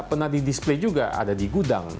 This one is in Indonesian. pernah di display juga ada di gudang